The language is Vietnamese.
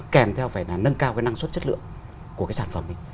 kèm theo phải là nâng cao cái năng suất chất lượng của cái sản phẩm mình